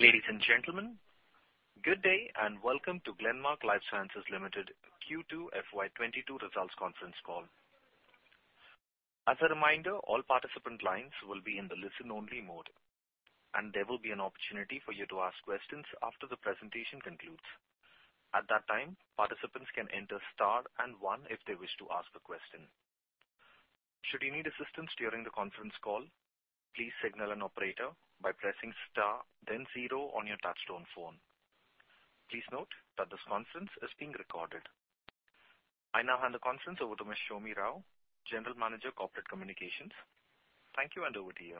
Ladies and gentlemen, good day and welcome to Glenmark Life Sciences Limited Q2 FY 2022 results conference call. As a reminder, all participant lines will be in the listen-only mode, and there will be an opportunity for you to ask questions after the presentation concludes. At that time, participants can enter star and one if they wish to ask a question. Should you need assistance during the conference call, please signal an operator by pressing star, then zero on your touchtone phone. Please note that this conference is being recorded. I now hand the conference over to Ms. Soumi Rao, General Manager, Corporate Communications. Thank you, and over to you.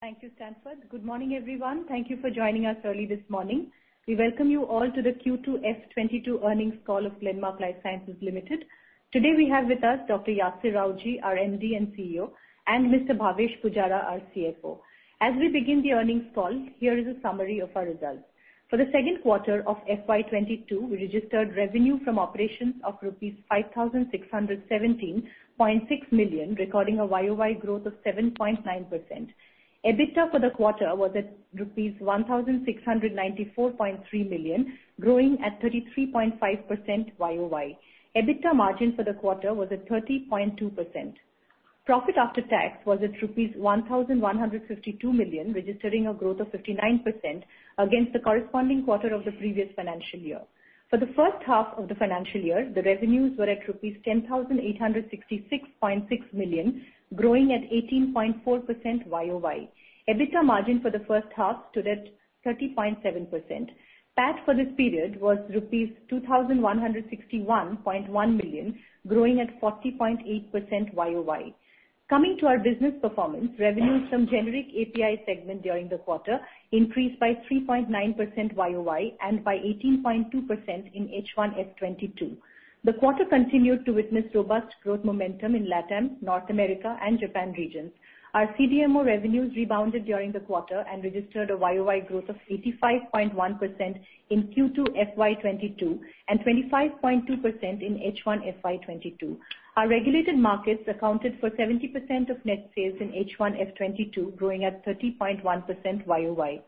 Thank you, Stanford. Good morning, everyone. Thank you for joining us early this morning. We welcome you all to the Q2 FY 2022 earnings call of Glenmark Life Sciences Limited. Today, we have with us Dr. Yasir Rawjee, our MD and CEO, and Mr. Bhavesh Pujara, our CFO. As we begin the earnings call, here is a summary of our results. For the second quarter of FY 2022, we registered revenue from operations of rupees 5,617.6 million, recording a 7.9% YOY growth. EBITDA for the quarter was at rupees 1,694.3 million, growing at 33.5% YOY. EBITDA margin for the quarter was at 30.2%. Profit after tax was at rupees 1,152 million, registering a growth of 59% against the corresponding quarter of the previous financial year. For the first half of the financial year, the revenues were at rupees 10,866.6 million, growing at 18.4% YOY. EBITDA margin for the first half stood at 30.7%. PAT for this period was rupees 2,161.1 million, growing at 40.8% YOY. Coming to our business performance, revenue from generic API segment during the quarter increased by 3.9% YOY and by 18.2% in H1 FY 2022. The quarter continued to witness robust growth momentum in LATAM, North America, and Japan regions. Our CDMO revenues rebounded during the quarter and registered a YOY growth of 85.1% in Q2 FY 2022 and 25.2% in H1 FY 2022. Our regulated markets accounted for 70% of net sales in H1 FY 2022, growing at 30.1% YOY.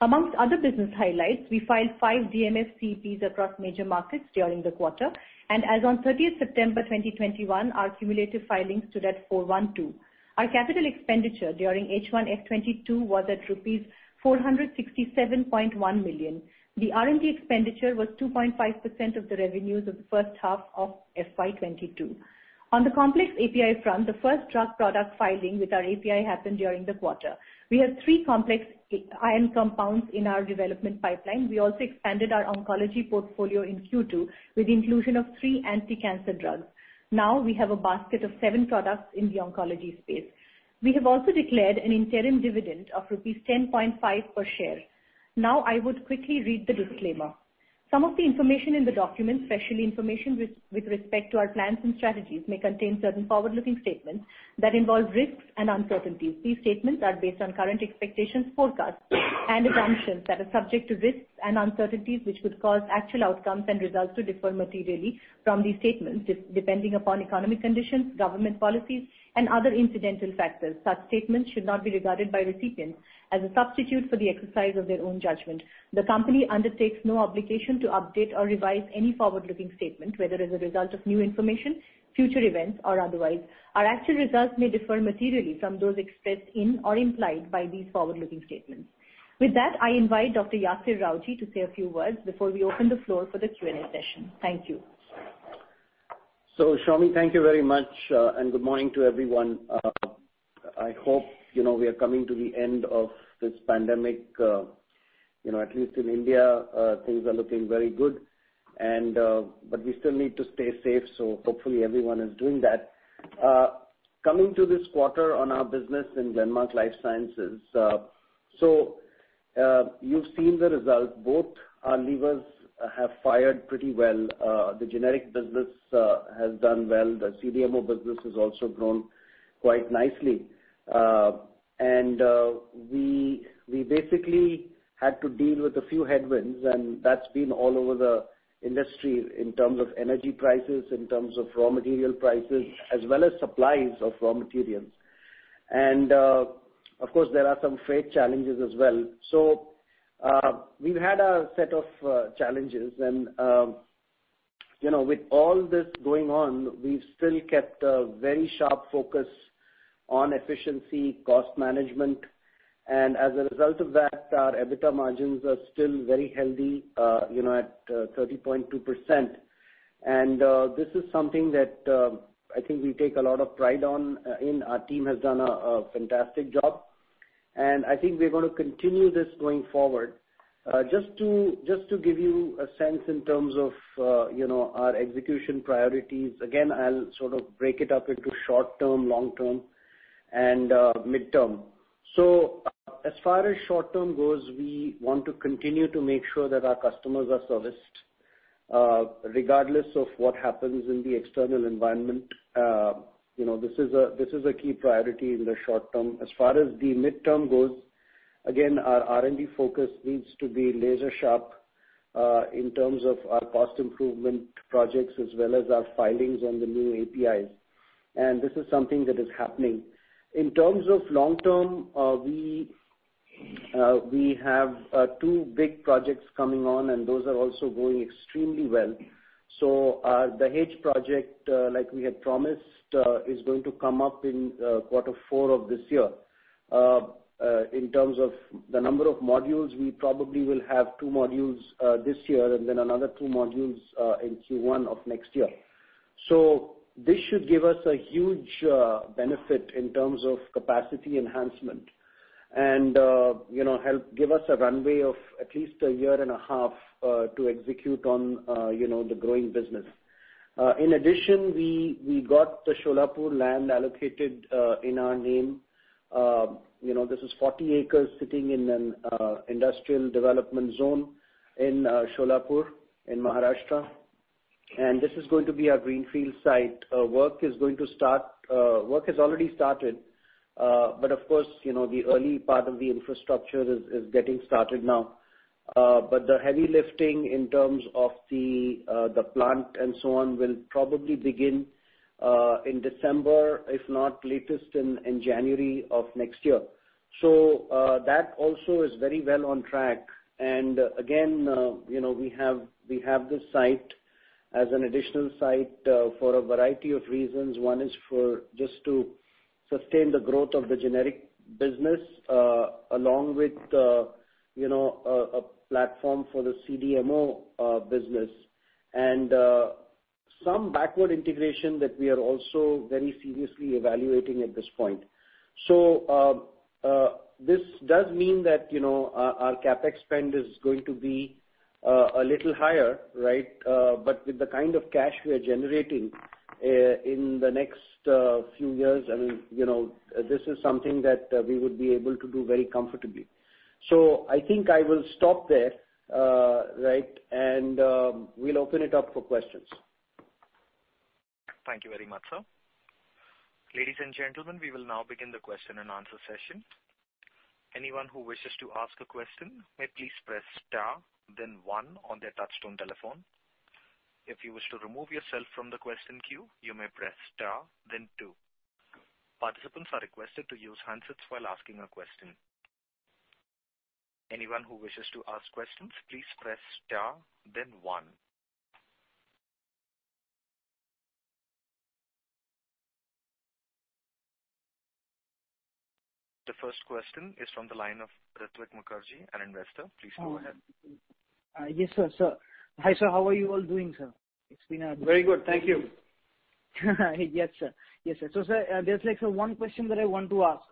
Amongst other business highlights, we filed 5 DMF CPAs across major markets during the quarter, and as on 30 September 2021, our cumulative filings stood at 412. Our capital expenditure during H1 FY 2022 was at rupees 467.1 million. The R&D expenditure was 2.5% of the revenues of the first half of FY 2022. On the complex API front, the first drug product filing with our API happened during the quarter. We have three complex ion compounds in our development pipeline. We also expanded our oncology portfolio in Q2 with inclusion of three anti-cancer drugs. Now we have a basket of seven products in the oncology space. We have also declared an interim dividend of rupees 10.5 per share. Now I would quickly read the disclaimer. Some of the information in the document, especially information with respect to our plans and strategies, may contain certain forward-looking statements that involve risks and uncertainties. These statements are based on current expectations, forecasts and assumptions that are subject to risks and uncertainties, which could cause actual outcomes and results to differ materially from these statements, depending upon economic conditions, government policies and other incidental factors. Such statements should not be regarded by recipients as a substitute for the exercise of their own judgment. The company undertakes no obligation to update or revise any forward-looking statement, whether as a result of new information, future events, or otherwise. Our actual results may differ materially from those expressed in or implied by these forward-looking statements. With that, I invite Dr. Yasir Rawjee to say a few words before we open the floor for the Q&A session. Thank you. Soumi, thank you very much, and good morning to everyone. I hope, you know, we are coming to the end of this pandemic, you know, at least in India, things are looking very good, but we still need to stay safe, so hopefully everyone is doing that. Coming to this quarter on our business in Glenmark Life Sciences. You've seen the results. Both our levers have fired pretty well. The generic business has done well. The CDMO business has also grown quite nicely. We basically had to deal with a few headwinds, and that's been all over the industry in terms of energy prices, in terms of raw material prices, as well as supplies of raw materials. Of course, there are some freight challenges as well. We've had a set of challenges and, you know, with all this going on, we've still kept a very sharp focus on efficiency, cost management, and as a result of that, our EBITDA margins are still very healthy, you know, at 30.2%. This is something that I think we take a lot of pride in. Our team has done a fantastic job, and I think we're gonna continue this going forward. Just to give you a sense in terms of, you know, our execution priorities, again, I'll sort of break it up into short term, long term and midterm. As far as short term goes, we want to continue to make sure that our customers are serviced, regardless of what happens in the external environment. You know, this is a key priority in the short term. As far as the midterm goes, again, our R&D focus needs to be laser sharp, in terms of our cost improvement projects as well as our filings on the new APIs, and this is something that is happening. In terms of long term, we have two big projects coming on, and those are also going extremely well. The Dahej project, like we had promised, is going to come up in quarter four of this year. In terms of the number of modules, we probably will have two modules this year and then another two modules in Q1 of next year. This should give us a huge benefit in terms of capacity enhancement and, you know, help give us a runway of at least a year and a half to execute on, you know, the growing business. In addition, we got the Solapur land allocated in our name. You know, this is 40 acres sitting in an industrial development zone in Solapur in Maharashtra, and this is going to be our greenfield site. Work has already started, but of course, you know, the early part of the infrastructure is getting started now. But the heavy lifting in terms of the plant and so on will probably begin in December, if not latest in January of next year. That also is very well on track. Again, you know, we have this site as an additional site for a variety of reasons. One is for just to sustain the growth of the generic business, along with, you know, a platform for the CDMO business and some backward integration that we are also very seriously evaluating at this point. This does mean that, you know, our CapEx spend is going to be a little higher, right? With the kind of cash we are generating, in the next few years, I mean, you know, this is something that we would be able to do very comfortably. I think I will stop there, right, and we'll open it up for questions. Thank you very much, sir. Ladies and gentlemen, we will now begin the question-and-answer session. Anyone who wishes to ask a question may please press star then one on their touchtone telephone. If you wish to remove yourself from the question queue, you may press star then two. Participants are requested to use handsets while asking a question. Anyone who wishes to ask questions, please press star then one. The first question is from the line of Ritwik Mukherjee, an investor. Please go ahead. Yes, sir. Hi, sir. How are you all doing, sir? It's been a Very good. Thank you. Yes, sir. Sir, there's like one question that I want to ask.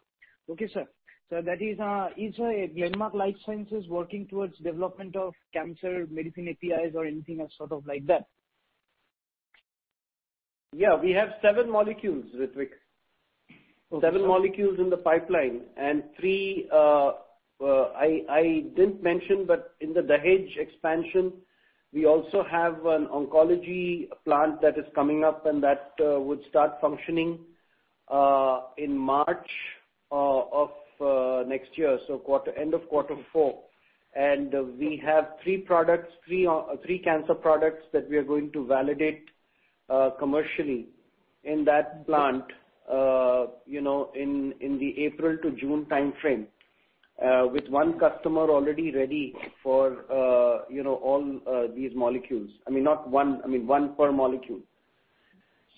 Okay, sir. That is, Glenmark Life Sciences working towards development of cancer medicine APIs or anything else sort of like that? Yeah. We have seven molecules, Ritwik. Okay, sir. Seven molecules in the pipeline and three, I didn't mention, but in the Dahej expansion, we also have an oncology plant that is coming up, and that would start functioning in March of next year. So end of quarter four. We have three cancer products that we are going to validate commercially in that plant, you know, in the April to June time frame, with one customer already ready for, you know, all these molecules. I mean, not one per molecule.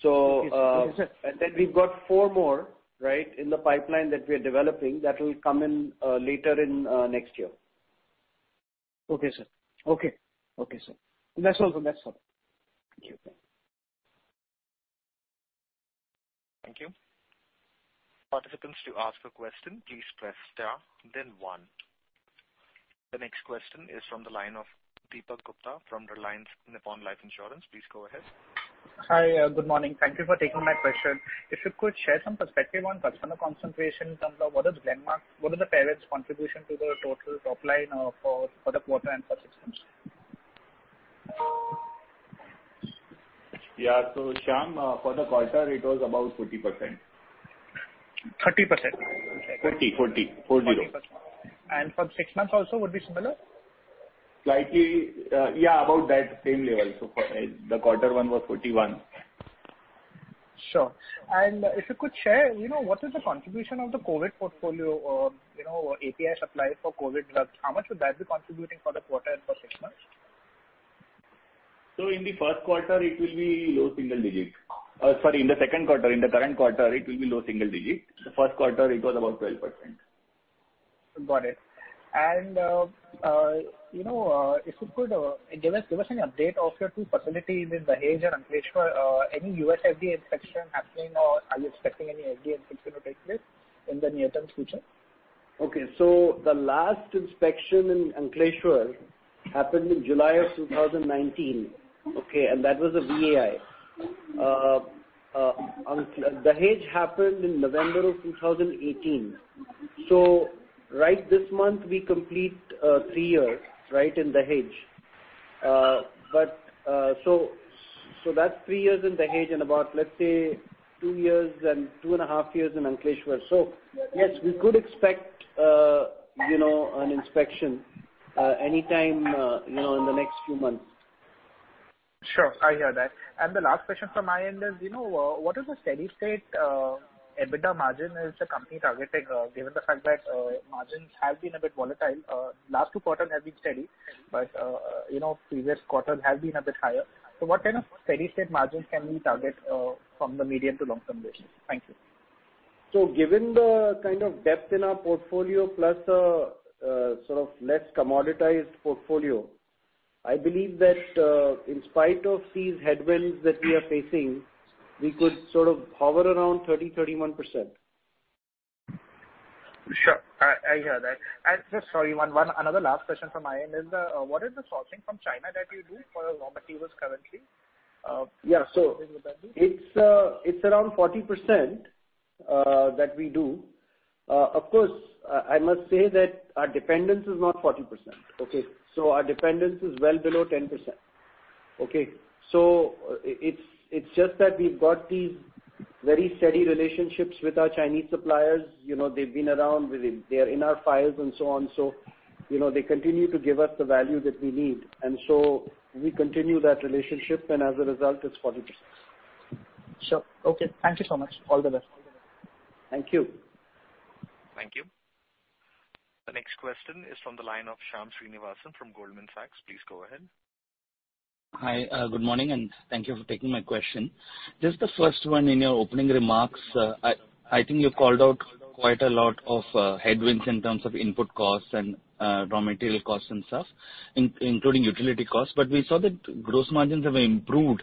Okay. Okay, sir. We've got four more, right, in the pipeline that we are developing that will come in later in next year. Okay, sir. That's all for next one. Thank you. Thank you. Participants, to ask a question, please press star then one. The next question is from the line of Deepak Gupta from Reliance Nippon Life Insurance. Please go ahead. Hi. Good morning. Thank you for taking my question. If you could share some perspective on parent concentration in terms of what is Glenmark, what is the parent's contribution to the total top line, for the quarter and for six months? Yeah. Shyam, for the quarter it was about 40%. 30%. 30, 40. 40. 40%. For six months also would be similar? Slightly, yeah, about that same level. For the quarter one was 41. Sure. If you could share, you know, what is the contribution of the COVID portfolio or, you know, API supply for COVID drugs? How much would that be contributing for the quarter and for six months? In the current quarter it will be low single digits%. The first quarter it was about 12%. Got it. You know, if you could give us an update of your two facilities in Dahej and Ankleshwar, any U.S. FDA inspection happening, or are you expecting any FDA inspection to take place in the near-term future? The last inspection in Ankleshwar happened in July 2019, okay? That was a VAI. Dahej happened in November 2018. Right this month, we complete three years, right, in Dahej. That's three years in Dahej and about, let's say, two years and two and a half years in Ankleshwar. Yes, we could expect, you know, an inspection anytime, you know, in the next few months. Sure. I hear that. The last question from my end is, you know, what is the steady-state EBITDA margin is the company targeting, given the fact that, margins have been a bit volatile, last two quarter have been steady, but, you know, previous quarter have been a bit higher. What kind of steady-state margins can we target, from the medium- to long-term basis? Thank you. Given the kind of depth in our portfolio plus the sort of less commoditized portfolio, I believe that in spite of these headwinds that we are facing, we could sort of hover around 30%-31%. Sure. I hear that. Just sorry, one another last question from my end is what is the sourcing from China that you do for raw materials currently? Yeah. It's around 40% that we do. Of course, I must say that our dependence is not 40%. Our dependence is well below 10%. It's just that we've got these very steady relationships with our Chinese suppliers. You know, they've been around. They are in our files and so on, so you know, they continue to give us the value that we need. We continue that relationship, and as a result, it's 40%. Sure. Okay. Thank you so much. All the best. Thank you. Thank you. The next question is from the line of Shyam Srinivasan from Goldman Sachs. Please go ahead. Hi, good morning, and thank you for taking my question. Just the first one in your opening remarks, I think you called out quite a lot of headwinds in terms of input costs and raw material costs and stuff, including utility costs. We saw that gross margins have improved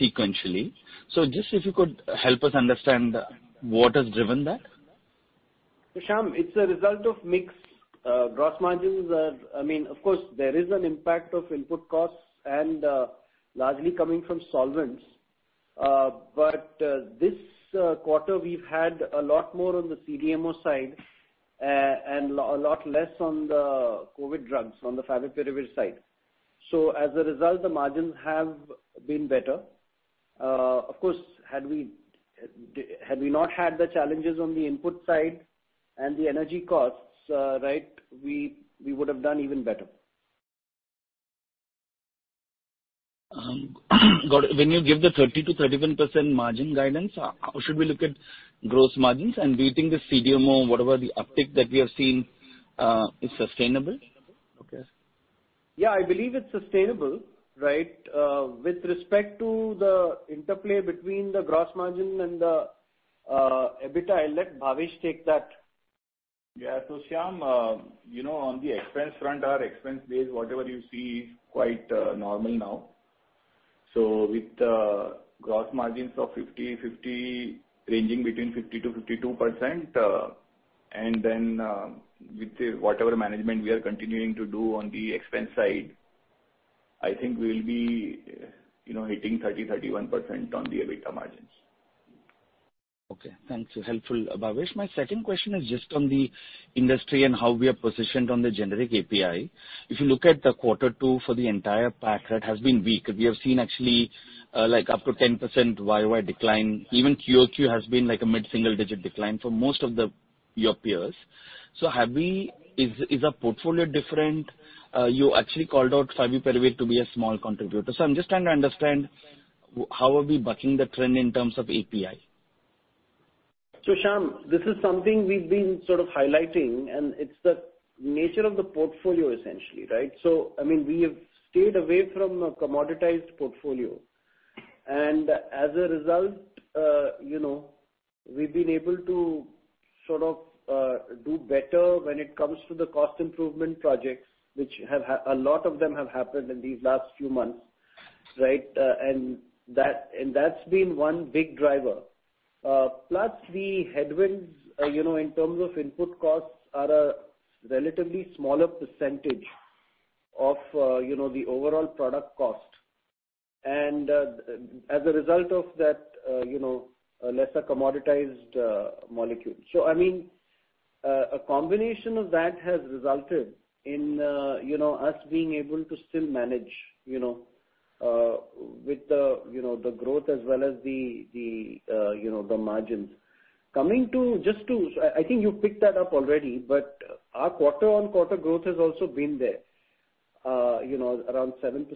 sequentially. Just if you could help us understand, what has driven that? Shyam, it's a result of mix. Gross margins are, I mean, of course, there is an impact of input costs and, largely coming from solvents. This quarter, we've had a lot more on the CDMO side, and a lot less on the COVID drugs, on the favipiravir side. As a result, the margins have been better. Of course, had we not had the challenges on the input side and the energy costs, right, we would have done even better. Got it. When you give the 30%-31% margin guidance, how should we look at gross margins? Do you think the CDMO, whatever the uptick that we have seen, is sustainable? Okay. Yeah, I believe it's sustainable, right? With respect to the interplay between the gross margin and the EBITDA, I'll let Bhavesh take that. Yeah. Shyam, you know, on the expense front, our expense base, whatever you see is quite normal now. With the gross margins of 50-50, ranging between 50%-52%, and then, with whatever management we are continuing to do on the expense side, I think we'll be, you know, hitting 30-31% on the EBITDA margins. Okay. Thanks. Helpful, Bhavesh. My second question is just on the industry and how we are positioned on the generic API. If you look at the quarter two for the entire pack, that has been weak. We have seen actually, like up to 10% YOY decline. Even QOQ has been like a mid-single digit decline for most of your peers. Is our portfolio different? You actually called out favipiravir to be a small contributor. I'm just trying to understand how are we bucking the trend in terms of API? Shyam, this is something we've been sort of highlighting, and it's the nature of the portfolio essentially, right? I mean, we have stayed away from a commoditized portfolio. As a result, you know, we've been able to sort of do better when it comes to the cost improvement projects, which a lot of them have happened in these last few months, right? And that's been one big driver. Plus the headwinds, you know, in terms of input costs are a relatively smaller percentage of, you know, the overall product cost. As a result of that, you know, a lesser commoditized molecule. I mean, a combination of that has resulted in, you know, us being able to still manage, you know, with the, you know, the growth as well as the, you know, the margins. Coming to, I think you picked that up already, but our quarter-over-quarter growth has also been there, you know, around 7%,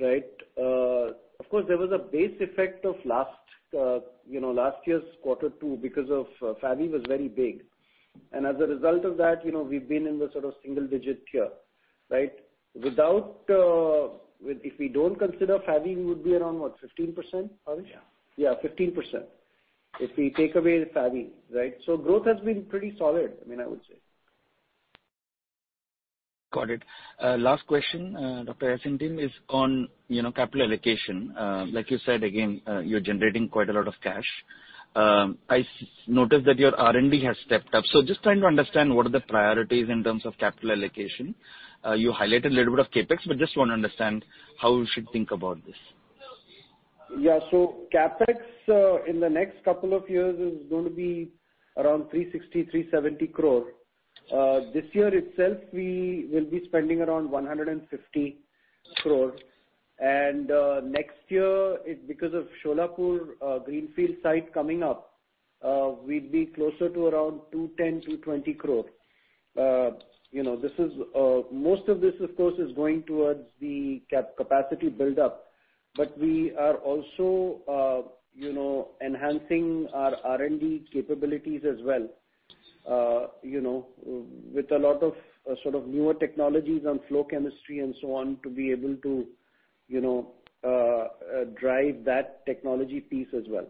right? Of course, there was a base effect of last, you know, last year's quarter two because of, favi was very big. As a result of that, you know, we've been in the sort of single digit here, right? Without, if we don't consider favi, we would be around, what, 15%, Bhavesh? Yeah. Yeah, 15%, if we take away the favi, right? Growth has been pretty solid, I mean, I would say. Got it. Last question, Dr. Yasir Rawjee team is on, you know, capital allocation. Like you said, again, you're generating quite a lot of cash. I noticed that your R&D has stepped up. Just trying to understand what are the priorities in terms of capital allocation. You highlighted a little bit of CapEx, but just want to understand how we should think about this. Yeah. CapEx in the next couple of years is going to be around 360 crore-370 crore. This year itself, we will be spending around 150 crore. Next year it's because of Solapur greenfield site coming up, we'd be closer to around 210 crore-220 crore. You know, this is most of this, of course, is going towards the capacity build-up, but we are also you know, enhancing our R&D capabilities as well. You know, with a lot of sort of newer technologies on flow chemistry and so on to be able to you know, drive that technology piece as well.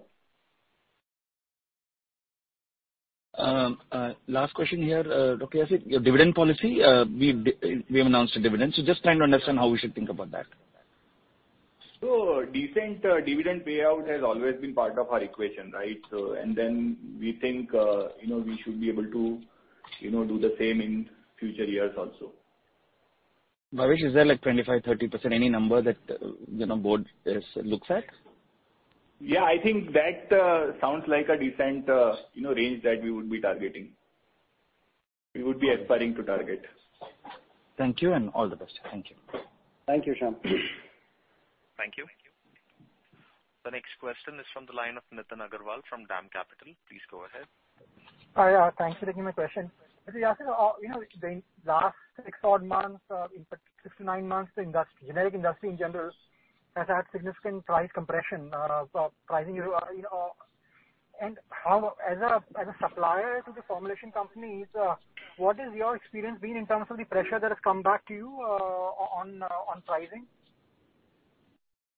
Last question here, Yasir. Your dividend policy, we have announced a dividend, so just trying to understand how we should think about that. Decent dividend payout has always been part of our equation, right? We think, you know, we should be able to, you know, do the same in future years also. Bhavesh, is there like 25%-30%, any number that, you know, board is, looks at? Yeah, I think that, sounds like a decent, you know, range that we would be targeting. We would be aspiring to target. Thank you and all the best. Thank you. Thank you, Shyam. Thank you. The next question is from the line of Nitin Agarwal from DAM Capital. Please go ahead. Hi, thanks for taking my question. Yasir, you know, the last six odd months, in fact, six to nine months, the industry, generic industry in general has had significant price compression, so pricing, you know, and as a supplier to the formulation companies, what has your experience been in terms of the pressure that has come back to you, on pricing?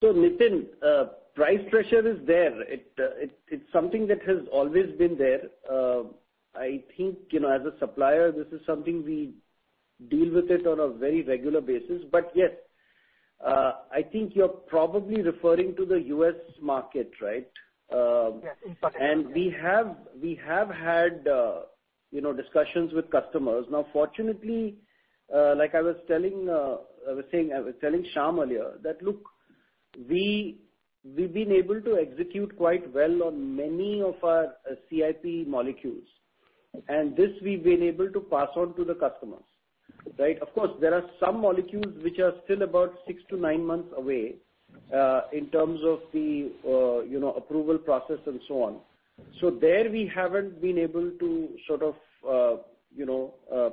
Nitin, price pressure is there. It's something that has always been there. I think, you know, as a supplier, this is something we deal with it on a very regular basis. Yes, I think you're probably referring to the U.S. market, right? Yes. In particular. We have had discussions with customers. Now, fortunately, like I was telling Shyam earlier that, look, we've been able to execute quite well on many of our CIP molecules. This we've been able to pass on to the customers, right? Of course, there are some molecules which are still about 6-9 months away in terms of the approval process and so on. There we haven't been able to sort of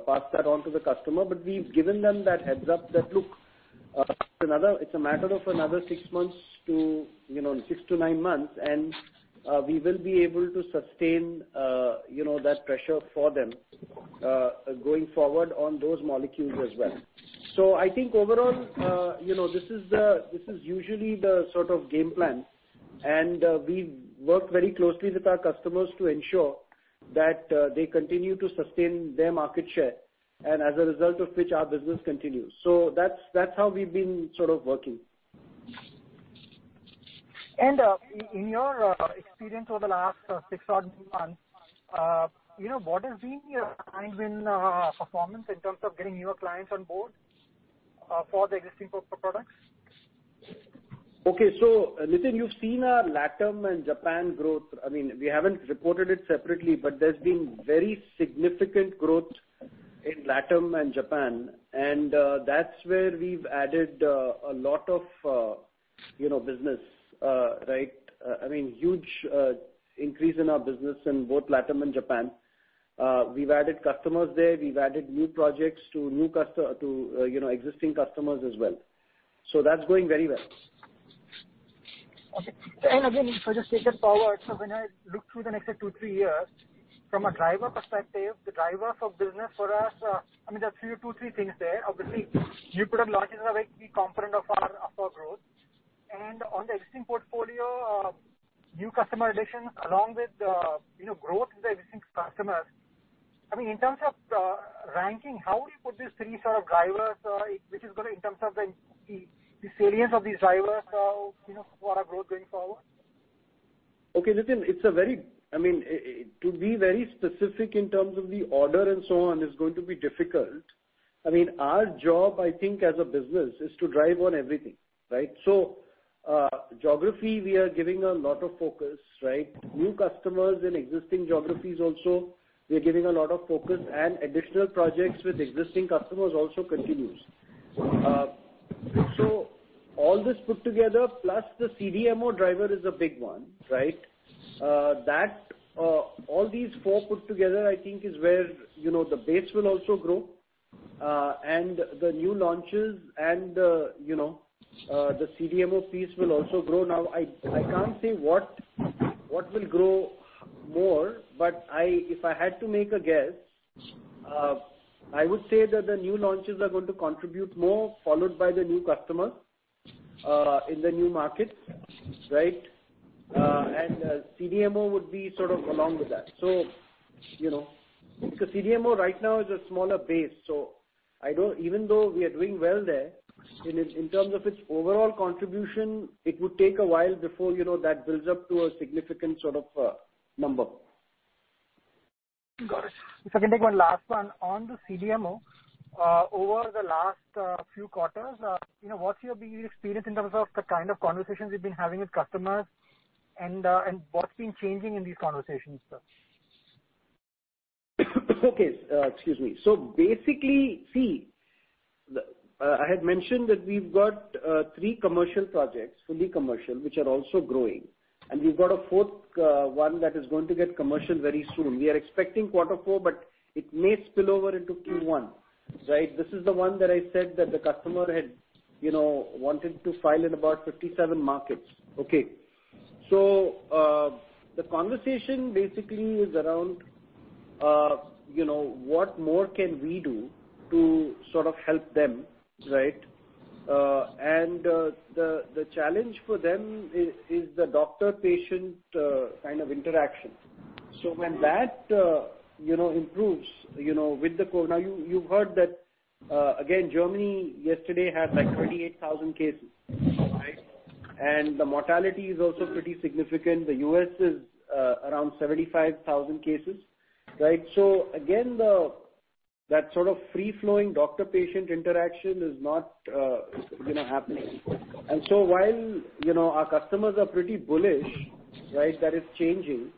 pass that on to the customer, but we've given them that heads-up that look, it's a matter of another 6-9 months, and we will be able to sustain that pressure for them going forward on those molecules as well. I think overall, you know, this is usually the sort of game plan, and we work very closely with our customers to ensure that they continue to sustain their market share and as a result of which our business continues. That's how we've been sort of working. In your experience over the last six odd months, you know, what has been your time and performance in terms of getting newer clients on board for the existing products? Okay. Nitin, you've seen our LATAM and Japan growth. I mean, we haven't reported it separately, but there's been very significant growth in LATAM and Japan, and that's where we've added a lot of, you know, business, right? I mean, huge increase in our business in both LATAM and Japan. We've added customers there. We've added new projects to existing customers as well. That's going very well. Okay. Again, if I just take it forward, so when I look through the next 2-3 years from a driver perspective, the drivers of business for us, I mean, there are 2-3 things there. Obviously, new product launches are a key component of our growth. On the existing portfolio, new customer additions along with you know, growth in the existing customers. I mean, in terms of ranking, how would you put these three sort of drivers, which is gonna in terms of the salience of these drivers, you know, for our growth going forward? Okay. Nitin, I mean, to be very specific in terms of the order and so on is going to be difficult. I mean, our job, I think, as a business is to drive on everything, right? Geography, we are giving a lot of focus, right? New customers in existing geographies also, we are giving a lot of focus and additional projects with existing customers also continues. All this put together plus the CDMO driver is a big one, right? All these four put together I think is where, you know, the base will also grow. The new launches and, you know, the CDMO piece will also grow. Now, I can't say what will grow more, but if I had to make a guess, I would say that the new launches are going to contribute more, followed by the new customer in the new markets, right? CDMO would be sort of along with that. You know. Because CDMO right now is a smaller base, so even though we are doing well there, in terms of its overall contribution, it would take a while before, you know, that builds up to a significant sort of number. Got it. If I can take one last one on the CDMO. Over the last few quarters, you know, what's your big experience in terms of the kind of conversations you've been having with customers? What's been changing in these conversations, sir? Basically, I had mentioned that we've got three commercial projects, fully commercial, which are also growing, and we've got a fourth one that is going to get commercial very soon. We are expecting quarter four, but it may spill over into Q1, right? This is the one that I said that the customer had, you know, wanted to file in about 57 markets. Okay. The conversation basically is around, you know, what more can we do to sort of help them, right? And the challenge for them is the doctor-patient kind of interaction. When that, you know, improves, you know, with the COVID. Now, you've heard that again, Germany yesterday had like 28,000 cases, right? And the mortality is also pretty significant. The U.S. is around 75,000 cases, right? Again, that sort of free-flowing doctor-patient interaction is not, you know, happening. While, you know, our customers are pretty bullish, right, that it's changing,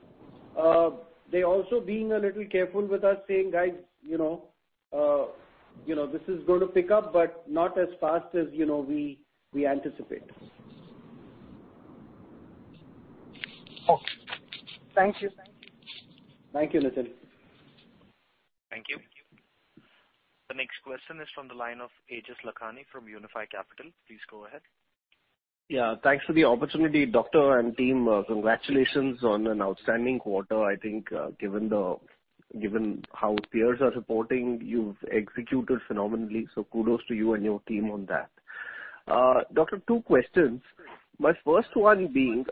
they're also being a little careful with us, saying, "Guys, you know, this is gonna pick up, but not as fast as, you know, we anticipate. Okay. Thank you. Thank you, Nitin. Thank you. The next question is from the line of Aejas Lakhani from UNIFI Capital. Please go ahead. Yeah. Thanks for the opportunity. Doctor and team, congratulations on an outstanding quarter. I think, given how peers are reporting, you've executed phenomenally. So kudos to you and your team on that. Doctor, two questions. My first one being,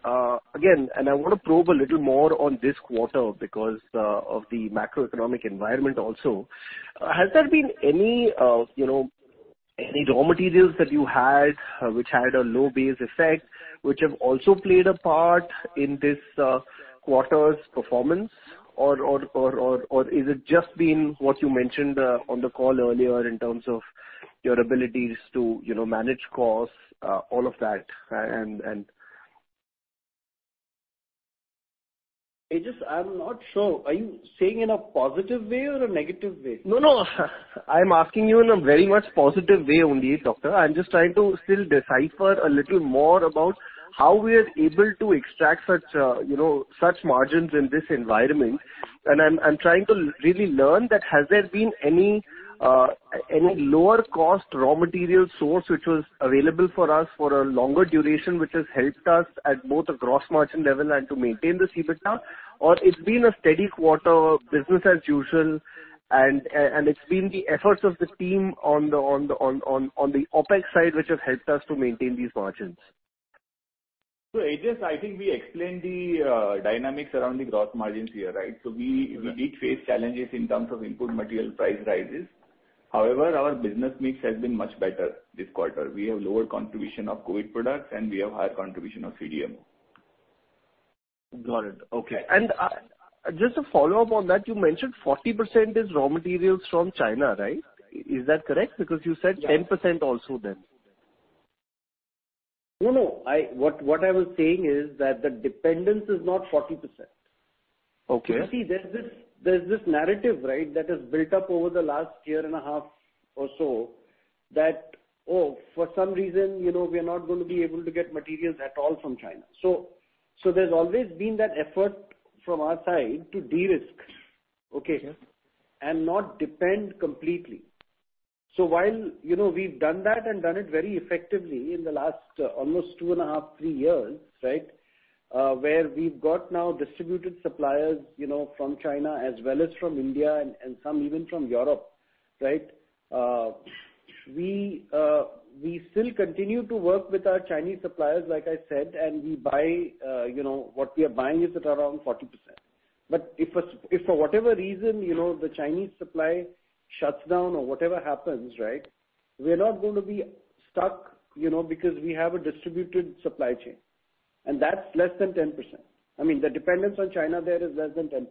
again, I wanna probe a little more on this quarter because of the macroeconomic environment also. Has there been any raw materials that you had which had a low base effect, which have also played a part in this quarter's performance? Or is it just been what you mentioned on the call earlier in terms of your abilities to manage costs, all of that. Aejas, I'm not sure. Are you saying in a positive way or a negative way? No, no. I'm asking you in a very much positive way only, doctor. I'm just trying to still decipher a little more about how we are able to extract such, you know, such margins in this environment. I'm trying to really learn that has there been any lower cost raw material source which was available for us for a longer duration, which has helped us at both the gross margin level and to maintain the EBITDA? Or it's been a steady quarter, business as usual, and it's been the efforts of the team on the OpEx side which has helped us to maintain these margins? Aejas, I think we explained the dynamics around the gross margins here, right? Yeah. We did face challenges in terms of input material price rises. However, our business mix has been much better this quarter. We have lower contribution of COVID products, and we have higher contribution of CDMO. Got it. Okay. Just a follow-up on that, you mentioned 40% is raw materials from China, right? Is that correct? Because you said- Yeah. -10% also then. No, no. What I was saying is that the dependence is not 40%. Okay. You see, there's this narrative, right, that has built up over the last year and a half or so that, oh, for some reason, you know, we are not gonna be able to get materials at all from China. So there's always been that effort from our side to de-risk, okay. Sure not depend completely. While, you know, we've done that and done it very effectively in the last almost two and half, three years, right, where we've got now distributed suppliers, you know, from China as well as from India and some even from Europe, right, we still continue to work with our Chinese suppliers, like I said, and we buy, you know, what we are buying is at around 40%. But if for whatever reason, you know, the Chinese supply shuts down or whatever happens, right, we're not gonna be stuck, you know, because we have a distributed supply chain, and that's less than 10%. I mean, the dependence on China there is less than 10%.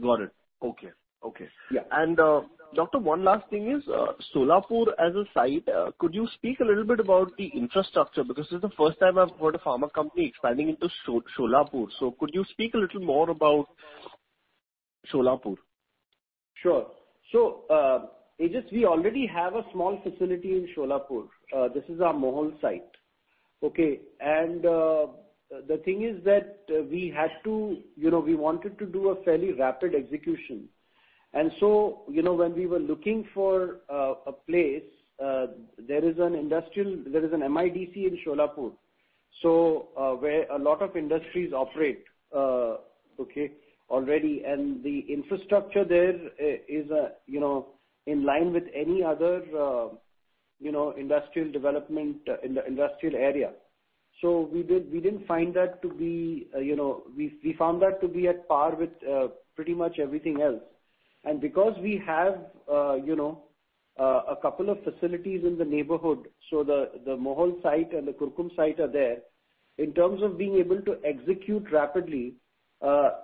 Got it. Okay. Okay. Yeah. Doctor, one last thing is, Solapur as a site, could you speak a little bit about the infrastructure? Because this is the first time I've heard a pharma company expanding into Solapur. Could you speak a little more about Solapur? Sure. Aejas, we already have a small facility in Solapur. This is our Mohol site, okay? The thing is that we had to. You know, we wanted to do a fairly rapid execution. You know, when we were looking for a place, there is an MIDC in Solapur, so where a lot of industries operate, okay, already. The infrastructure there is, you know, in line with any other, you know, industrial development in the industrial area. We didn't find that to be, you know. We found that to be at par with pretty much everything else. Because we have, you know, a couple of facilities in the neighborhood, so the Mohol site and the Kurkumbh site are there, in terms of being able to execute rapidly,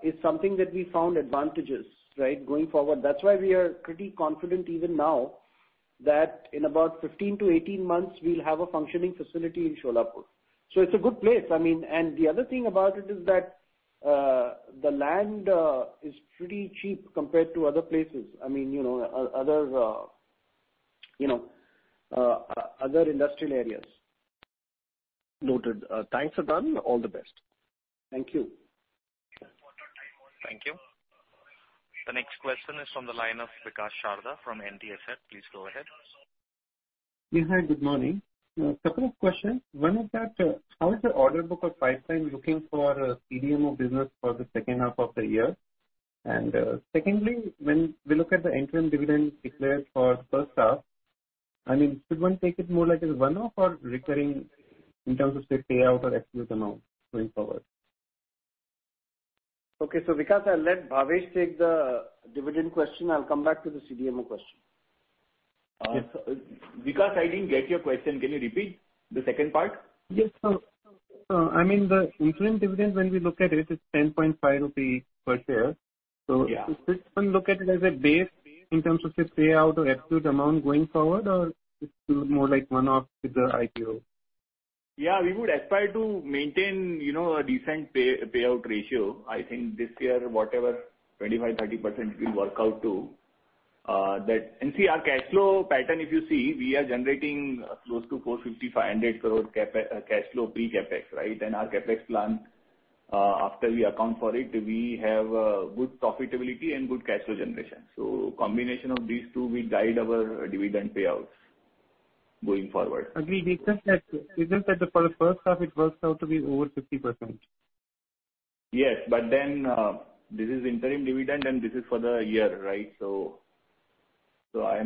is something that we found advantageous, right, going forward. That's why we are pretty confident even now that in about 15-18 months, we'll have a functioning facility in Solapur. It's a good place. I mean, the other thing about it is that the land is pretty cheap compared to other places. I mean, you know, other industrial areas. Noted. Thanks, Rawjee. All the best. Thank you. Thank you. The next question is from the line of Vikas Sharda from NTAsset. Please go ahead. Yeah, hi, good morning. A couple of questions. One is that, how is the order book or pipeline looking for, CDMO business for the second half of the year? Secondly, when we look at the interim dividend declared for first half, I mean, should one take it more like as a one-off or recurring in terms of, say, payout or absolute amount going forward? Okay. Vikas, I'll let Bhavesh take the dividend question. I'll come back to the CDMO question. Vikas, I didn't get your question. Can you repeat the second part? Yes, I mean, the interim dividend, when we look at it's 10.5 rupees per share. Yeah. Should one look at it as a base in terms of, say, payout or absolute amount going forward, or it's more like one-off with the IPO? Yeah, we would aspire to maintain, you know, a decent payout ratio. I think this year, whatever 25%-30% it will work out to, that. See, our cash flow pattern, if you see, we are generating close to 450-500 crore cash flow pre-CapEx, right? Our CapEx plan, after we account for it, we have good profitability and good cash flow generation. Combination of these two will guide our dividend payouts going forward. Agree. We just said for the first half it works out to be over 50%. Yes, this is interim dividend, and this is for the year, right? We are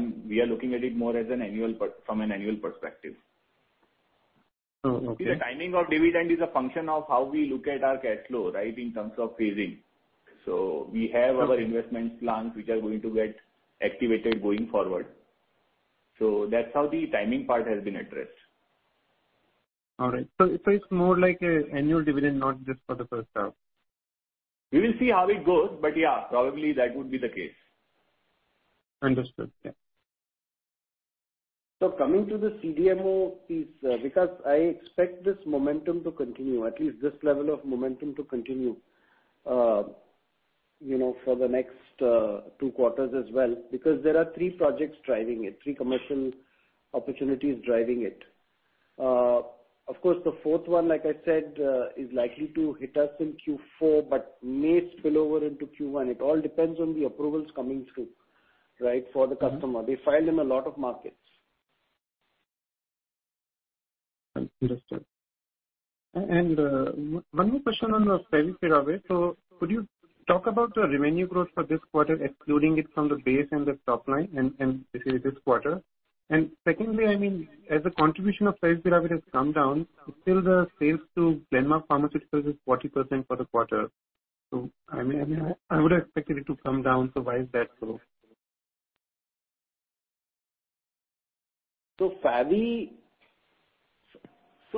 looking at it more as an annual from an annual perspective. Oh, okay. The timing of dividend is a function of how we look at our cash flow, right, in terms of phasing. We have our investment plans which are going to get activated going forward. That's how the timing part has been addressed. All right. It's more like an annual dividend, not just for the first half. We will see how it goes, but yeah, probably that would be the case. Understood. Yeah. Coming to the CDMO piece, Vikas I expect this momentum to continue, at least this level of momentum to continue, you know, for the next two quarters as well, because there are three projects driving it, three commercial opportunities driving it. Of course, the fourth one, like I said, is likely to hit us in Q4 but may spill over into Q1. It all depends on the approvals coming through, right, for the customer. They file in a lot of markets. Understood. One more question on favi, Bhavesh. Could you talk about the revenue growth for this quarter, excluding it from the base and the top line and this quarter. Secondly, I mean, as the contribution of favi has come down, still the sales to Glenmark Pharmaceuticals is 40% for the quarter. I mean, I would have expected it to come down, so why is that so?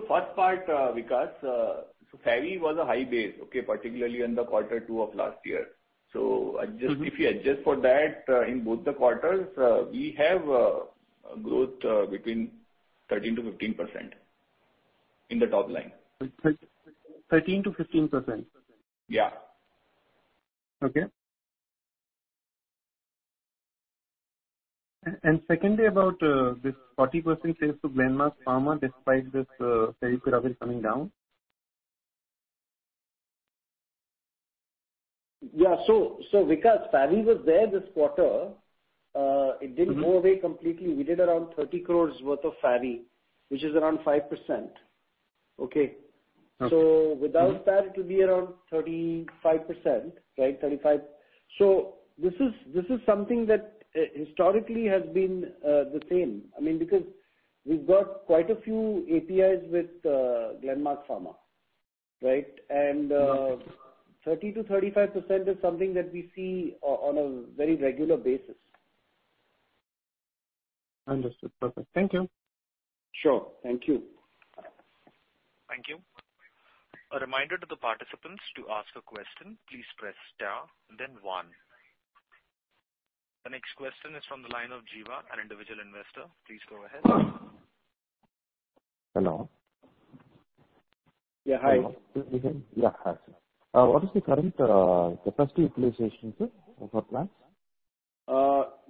First part, Vikas, so favi was a high base, okay, particularly in the quarter two of last year. Adjust- Mm-hmm. If you adjust for that, in both the quarters, we have growth between 13%-15% in the top line. 13%-15%? Yeah. Okay. Secondly, about this 40% sales to Glenmark Pharma, despite this favi coming down. Yeah. Vikas, favi was there this quarter. It didn't go away completely. We did around 30 crore worth of favi, which is around 5%. Okay? Okay. Without that, it will be around 35%, right? 35. This is something that historically has been the same. I mean, because we've got quite a few APIs with Glenmark Pharma, right? 30%-35% is something that we see on a very regular basis. Understood. Perfect. Thank you. Sure. Thank you. Thank you. A reminder to the participants, to ask a question, please press star then one. The next question is from the line of Jiva, an individual investor. Please go ahead. Hello. Yeah, hi. Yeah. Hi, sir. What is the current capacity utilization, sir, for plants?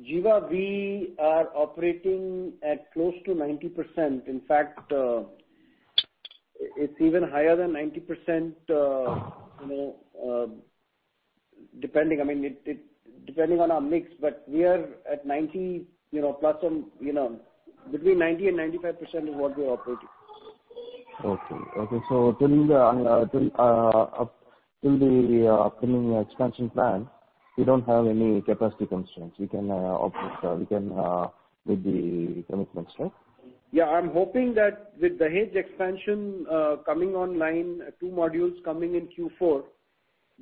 Jiva, we are operating at close to 90%. In fact, it's even higher than 90%, you know, depending, I mean, depending on our mix, but we are at 90, you know, plus some, you know, between 90% and 95% is what we are operating. Okay. Till the upcoming expansion plan, you don't have any capacity constraints. You can obviously meet the commitments, right? Yeah. I'm hoping that with Dahej expansion, coming online, two modules coming in Q4,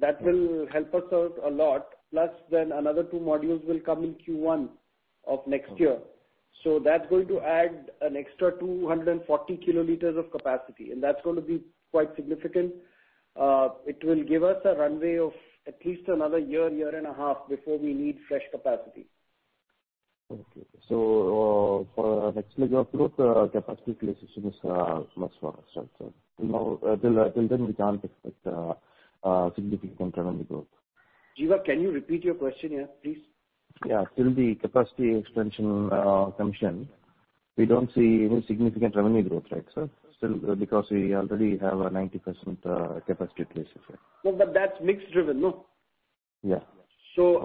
that will help us out a lot. Plus then another two modules will come in Q1 of next year. Okay. That's going to add an extra 240 kiloliters of capacity, and that's gonna be quite significant. It will give us a runway of at least another year and a half before we need fresh capacity. Okay. For the next leg of growth, capacity utilization is much lower, right? Till now, till then, we can't expect significant revenue growth. Jiva, can you repeat your question here, please? Till the capacity expansion comes in, we don't see any significant revenue growth, right, sir? Still, because we already have a 90% capacity in place here. No, but that's mixed driven, no? Yeah.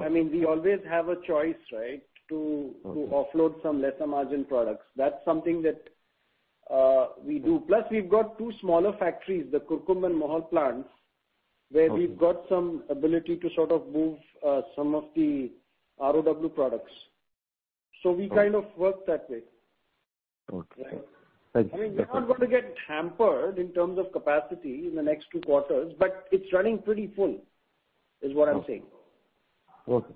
I mean, we always have a choice, right, to offload some lesser margin products. That's something that we do. Plus we've got two smaller factories, the Kurkumbh and Mohol plants, where we've got some ability to sort of move some of the ROW products. We kind of work that way. Okay. Thank you. I mean, we're not going to get hampered in terms of capacity in the next two quarters, but it's running pretty full, is what I'm saying. Okay.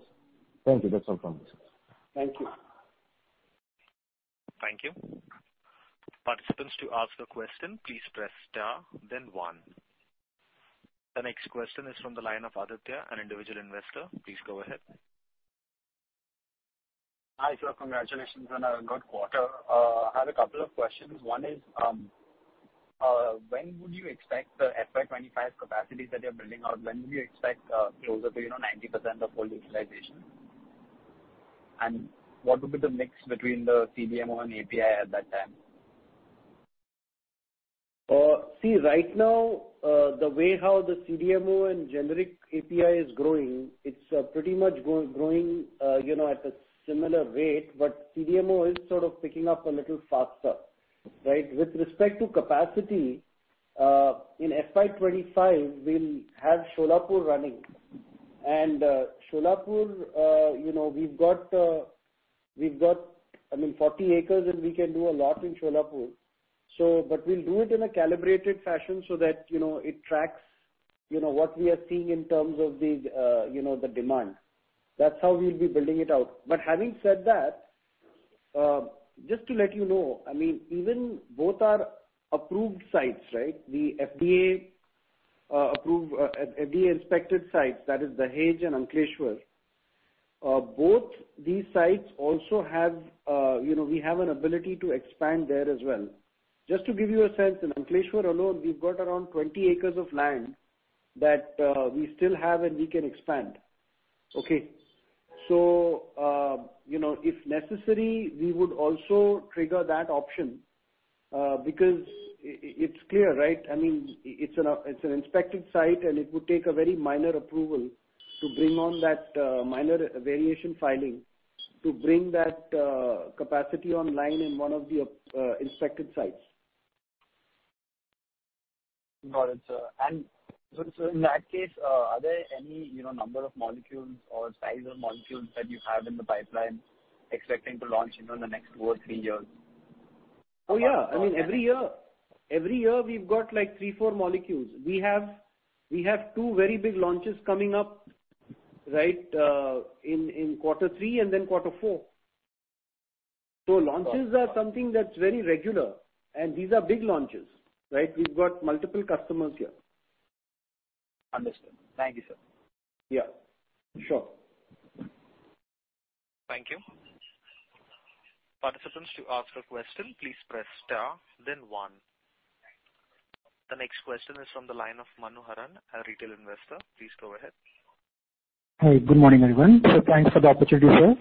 Thank you. That's all from me, sir. Thank you. Thank you. The next question is from the line of Aditya, an individual investor. Please go ahead. Hi, sir. Congratulations on a good quarter. I have a couple of questions. One is, when would you expect the FY 2025 capacities that you're building out closer to, you know, 90% of full utilization? And what would be the mix between the CDMO and API at that time? See, right now, the way how the CDMO and generic API is growing, it's pretty much growing, you know, at a similar rate. CDMO is sort of picking up a little faster, right? With respect to capacity, in FY 2025, we'll have Solapur running. Solapur, you know, we've got, I mean, 40 acres, and we can do a lot in Solapur. We'll do it in a calibrated fashion so that, you know, it tracks, you know, what we are seeing in terms of the, you know, the demand. That's how we'll be building it out. Having said that, just to let you know, I mean, even both are approved sites, right? The FDA approved FDA-inspected sites, that is Dahej and Ankleshwar. Both these sites also have, you know, we have an ability to expand there as well. Just to give you a sense, in Ankleshwar alone, we've got around 20 acres of land that we still have, and we can expand. Okay? You know, if necessary, we would also trigger that option because it's clear, right? I mean, it's an inspected site, and it would take a very minor approval to bring on that minor variation filing to bring that capacity online in one of the inspected sites. Got it, sir. In that case, are there any, you know, number of molecules or size of molecules that you have in the pipeline expecting to launch in the next two or three years? Oh, yeah. I mean, every year we've got, like, three, four molecules. We have two very big launches coming up, right, in quarter three and then quarter four. Launches are something that's very regular, and these are big launches, right? We've got multiple customers here. Understood. Thank you, sir. Yeah. Sure. Thank you. Participants, to ask a question, please press star then one. The next question is from the line of Manoharan, a retail investor. Please go ahead. Hi. Good morning, everyone. Thanks for the opportunity, sir.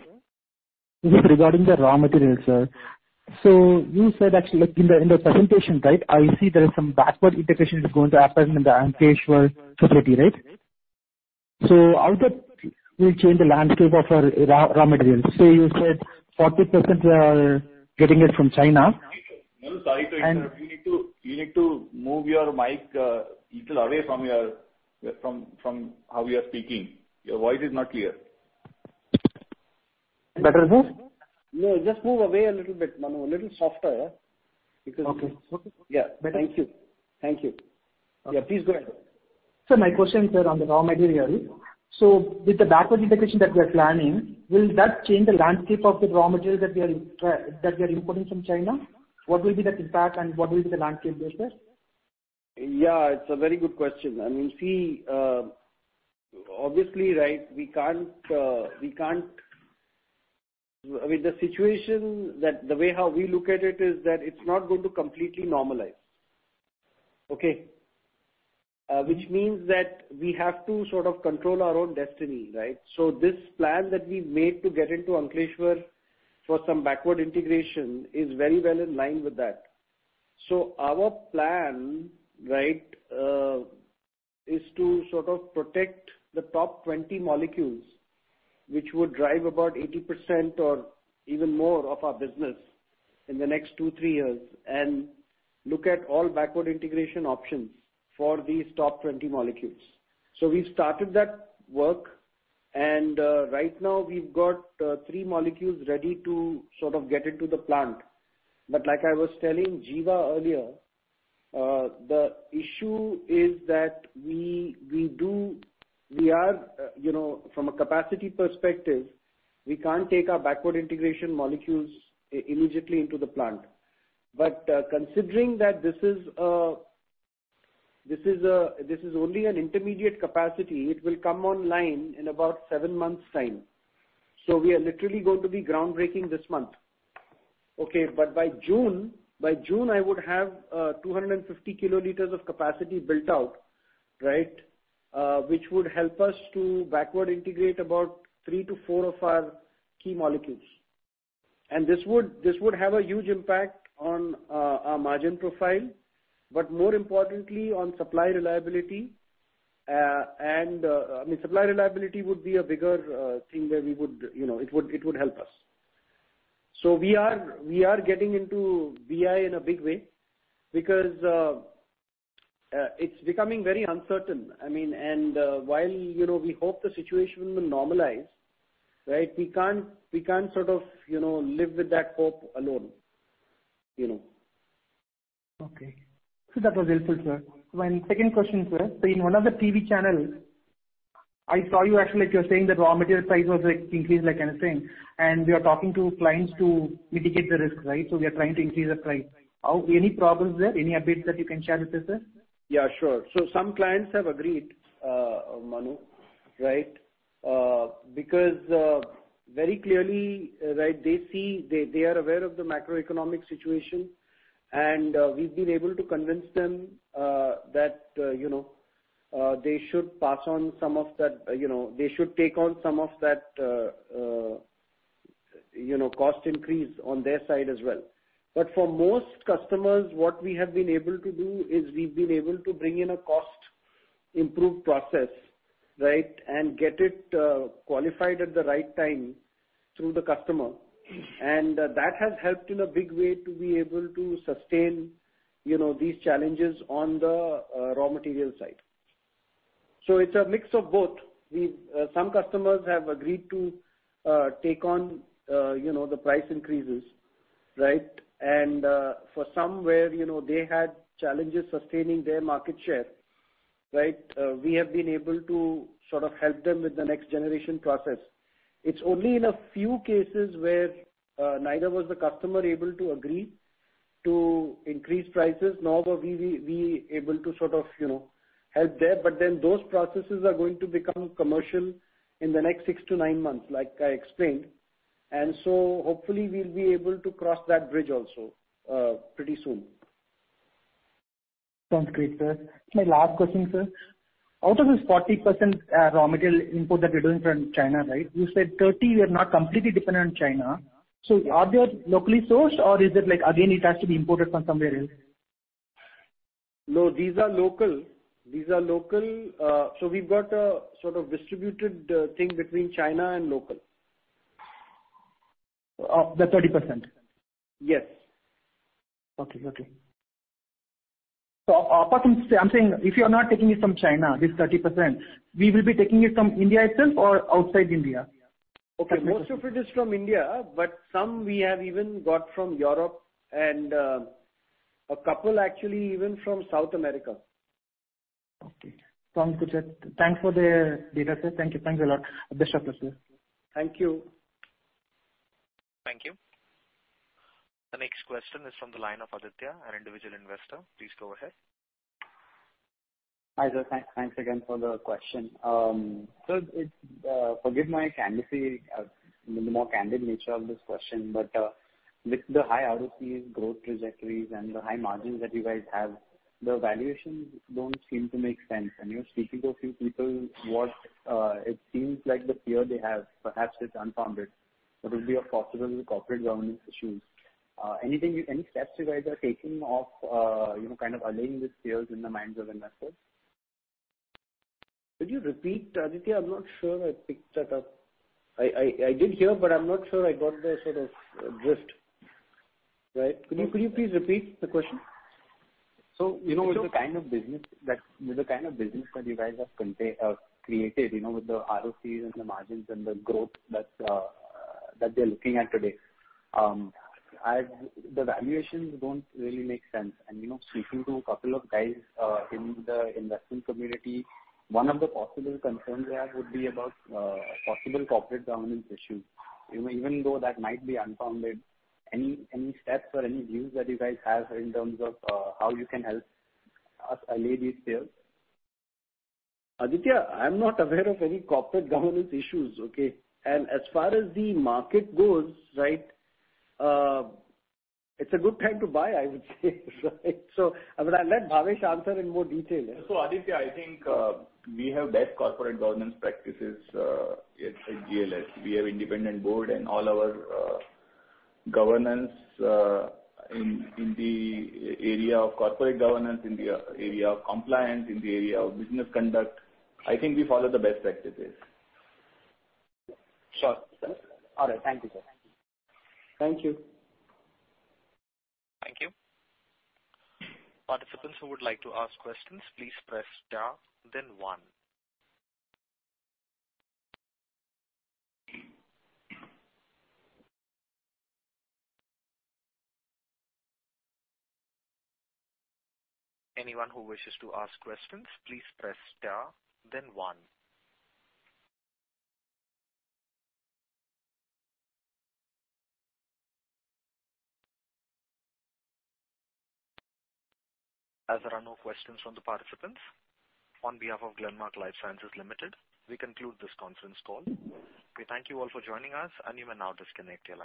This is regarding the raw materials, sir. You said actually, like, in the presentation, right, I see there is some backward integration is going to happen in the Ankleshwar facility, right? How that will change the landscape of our raw materials? You said 40% are getting it from China. Manu, sorry to interrupt you. You need to move your mic little away from how you are speaking. Your voice is not clear. Better, sir? No, just move away a little bit, Manu. A little softer because. Okay. Okay. Yeah. Better? Thank you. Yeah. Please go ahead. Sir, my question is around the raw material. With the backward integration that we're planning, will that change the landscape of the raw material that we are importing from China? What will be the impact and what will be the landscape there, sir? It's a very good question. I mean, see, obviously, right, we can't. I mean, the situation that the way how we look at it is that it's not going to completely normalize. Okay? Which means that we have to sort of control our own destiny, right? This plan that we made to get into Ankleshwar for some backward integration is very well in line with that. Our plan, right, is to sort of protect the top 20 molecules, which would drive about 80% or even more of our business in the next 2-3 years, and look at all backward integration options for these top 20 molecules. We started that work, and right now we've got three molecules ready to sort of get into the plant. Like I was telling Jiva earlier, the issue is that we are, you know, from a capacity perspective, we can't take our backward integration molecules immediately into the plant. Considering that this is only an intermediate capacity, it will come online in about seven months' time. We are literally going to be groundbreaking this month. By June, I would have 250 kiloliters of capacity built out, right? Which would help us to backward integrate about 3-4 of our key molecules. This would have a huge impact on our margin profile, but more importantly on supply reliability. I mean, supply reliability would be a bigger thing where we would, you know, it would help us. We are getting into BI in a big way because it's becoming very uncertain. I mean, while you know, we hope the situation will normalize, right? We can't sort of you know, live with that hope alone, you know. Okay. That was helpful, sir. My second question, sir. In one of the TV channels, I saw you actually, you were saying that raw material price was, like, increased like anything, and we are talking to clients to mitigate the risk, right? We are trying to increase the price. Any problems there? Any updates that you can share with us, sir? Yeah, sure. Some clients have agreed, Manu, right? Because very clearly, right, they see they are aware of the macroeconomic situation, and we've been able to convince them that you know they should pass on some of that, you know, they should take on some of that you know cost increase on their side as well. For most customers, what we have been able to do is we've been able to bring in a cost improved process, right, and get it qualified at the right time through the customer. That has helped in a big way to be able to sustain you know these challenges on the raw material side. It's a mix of both. Some customers have agreed to take on you know the price increases, right? For somewhere, you know, they had challenges sustaining their market share, right, we have been able to sort of help them with the next generation process. It's only in a few cases where neither was the customer able to agree to increase prices, nor were we able to sort of, you know, help there. Those processes are going to become commercial in the next six to nine months, like I explained. Hopefully we'll be able to cross that bridge also pretty soon. Sounds great, sir. My last question, sir. Out of this 40%, raw material input that you're doing from China, right, you said 30, you are not completely dependent on China. Are they locally sourced or is it like again it has to be imported from somewhere else? No, these are local. We've got a sort of distributed thing between China and local. The 30%? Yes. Okay. I'm saying if you're not taking it from China, this 30%, we will be taking it from India itself or outside India? Okay. Most of it is from India, but some we have even got from Europe and a couple actually even from South America. Okay. Sounds good. Thanks for the data, sir. Thank you. Thanks a lot. Best of luck, sir. Thank you. Thank you. The next question is from the line of Aditya, an individual investor. Please go ahead. Hi, sir. Thanks again for the question. Forgive my candor, more candid nature of this question, but with the high ROCEs, growth trajectories and the high margins that you guys have, the valuations don't seem to make sense. From speaking to a few people, what it seems like is the fear they have, perhaps it's unfounded, of possible corporate governance issues. Any steps you guys are taking to allay these fears in the minds of investors? Could you repeat, Aditya? I'm not sure I picked that up. I did hear, but I'm not sure I got the sort of drift. Right. Could you please repeat the question? you know, with the kind of business that you guys have created, you know, with the ROCEs and the margins and the growth that they're looking at today, the valuations don't really make sense. you know, speaking to a couple of guys in the investment community, one of the possible concerns they have would be about possible corporate governance issues. You know, even though that might be unfounded, any steps or any views that you guys have in terms of how you can help us allay these fears? Aditya, I'm not aware of any corporate governance issues. Okay? As far as the market goes, right, it's a good time to buy, I would say. Right. I'll let Bhavesh answer in more detail. Aditya, I think we have best corporate governance practices at GLS. We have independent board and all our governance in the area of corporate governance, in the area of compliance, in the area of business conduct. I think we follow the best practices. Sure. All right. Thank you, sir. Thank you. Thank you. Participants who would like to ask questions, please press star, then one. Anyone who wishes to ask questions, please press star, then one. As there are no questions from the participants, on behalf of Alivus Life Sciences Limited, we conclude this conference call. We thank you all for joining us, and you may now disconnect your lines.